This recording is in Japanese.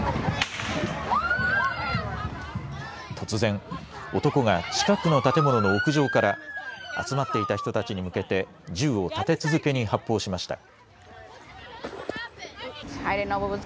突然、男が近くの建物の屋上から集まっていた人たちに向けて銃を立て続けに発砲しました。